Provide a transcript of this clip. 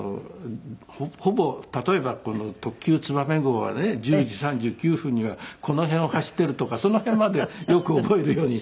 ほぼ例えば特急つばめ号はね１０時３９分にはこの辺を走っているとかその辺までよく覚えるように。